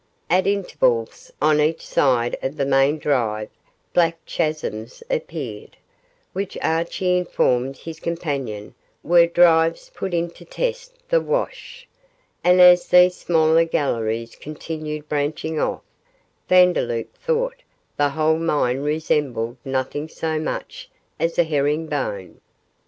At intervals on each side of the main drive black chasms appeared, which Archie informed his companion were drives put in to test the wash, and as these smaller galleries continued branching off, Vandeloup thought the whole mine resembled nothing so much as a herring bone.